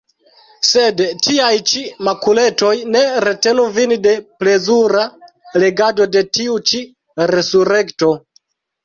Sed tiaj ĉi makuletoj ne retenu vin de plezura legado de tiu ĉi Resurekto!